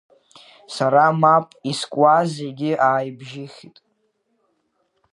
Сара мап искуаз зегьы аабжьихит.